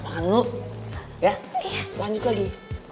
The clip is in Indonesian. makan dulu ya lanjut lagi